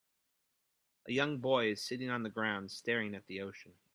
A young boy is sitting on the ground staring at the ocean